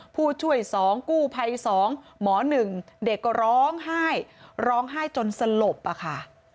ผู้ช่วย๒กู้ภัย๒หมอ๑เด็กก็ร้องไห้ร้องไห้จนสลบอะค่ะ